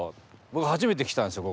僕初めて来たんですよ